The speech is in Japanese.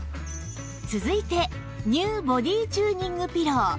続いて ＮＥＷ ボディチューニングピロー